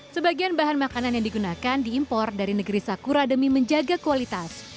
sebagian bahan makanan yang digunakan diimpor dari negeri sakura demi menjaga kualitas